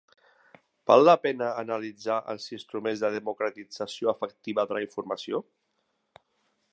Val la pena analitzar els instruments de democratització efectiva de la informació?